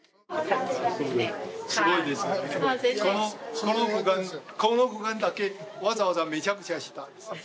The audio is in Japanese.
すごいですよね、この空間だけわざわざめちゃくちゃしたんですよ。